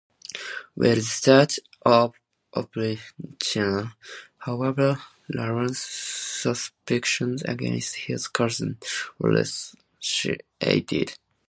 With the start of Oprichnina, however, Ivan's suspicions against his cousin were resuscitated.